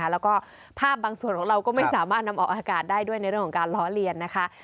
แล้วก็ภาพบางส่วนของเราก็ไม่สามารถนำออกอากาศได้ด้วยในเรื่องของการล้อเลียนนะคะ